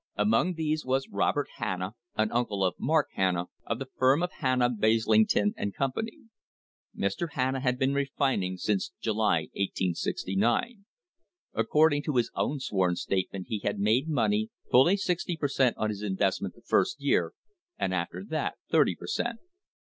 Among these was Robert Hanna, an uncle of Mark Hanna, of the firm of Hanna, Baslington and Company. Mr. Hanna had been refining since July, 1869. According to his own sworn state ment he had made money, fully sixty per cent, on his invest ment the first year, and after that thirty per cent.